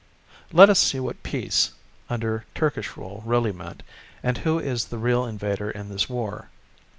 Let us see what "Peace" under Turkish rule really meant, and who is the real invader in this war.